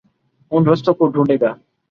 ان رستوں کو ڈھونڈے گا۔